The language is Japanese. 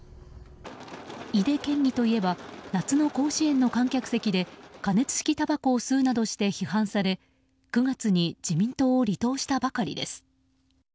井手県議といえば夏の甲子園の観客席で加熱式たばこを吸うなどして批判され９月に自民党を離党したばかりです。